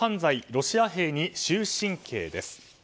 ロシア兵に終身刑です。